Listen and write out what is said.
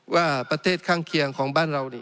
ว่าประเทศข้างเคียงของบ้านเรานี่